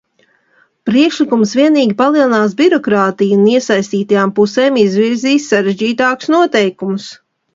Priekšlikums vienīgi palielinās birokrātiju un iesaistītajām pusēm izvirzīs sarežģītākus noteikumus.